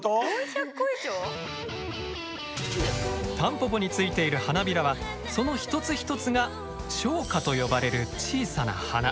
タンポポについている花びらはその一つ一つが小花と呼ばれる小さな花。